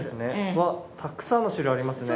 わったくさんの種類ありますね。